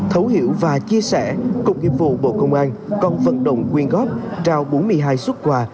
thấu hiểu và chia sẻ cục nghiệp vụ bộ công an còn vận động quyên góp trao bốn mươi hai xuất quà